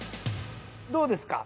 どうですか？